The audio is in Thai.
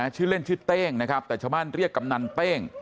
ชื่อเล่นชื่อเต้งนะครับแต่ชาวบ้านเรียกกำนันเต้ง